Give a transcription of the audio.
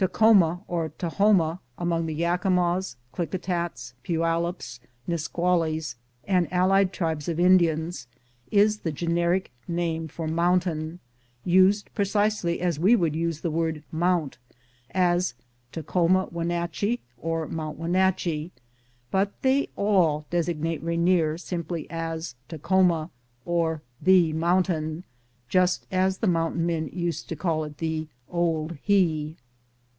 Its snow clad *Tak ho'ma or Ta ho'ma among the Yakimas, Klickitats, Puj^allups, Ni« quallys, and allied tribes of Indians, is the generic term for mountain, used pre cisely as we use the word " mount," as Takhoma Wynatchie, or Mount Wynatchie. But they all designate Rainier simply as Takhoma, or The Mountain, just as the mountam men used to call it the "Old He."